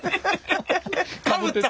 かぶった？